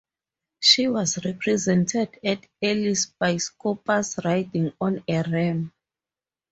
She was represented at Elis by Scopas riding on a ram.